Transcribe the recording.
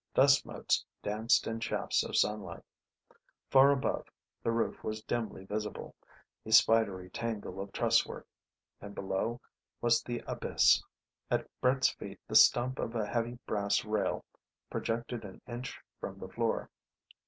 Dust motes danced in shafts of sunlight. Far above, the roof was dimly visible, a spidery tangle of trusswork. And below was the abyss. At Brett's feet the stump of a heavy brass rail projected an inch from the floor.